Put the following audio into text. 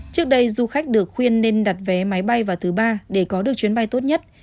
trước đây du khách được khuyên nên đặt vé máy bay vào thứ ba để có được chuyến bay tốt nhất